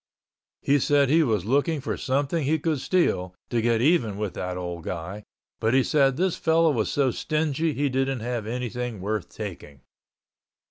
He said he was looking for something he could steal, to get even with that old guy, but he said this fellow was so stingy he didn't have anything worth taking.